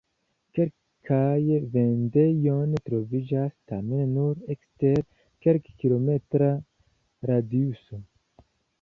Kelkaj vendejoj troviĝas, tamen nur ekster kelkkilometra radiuso.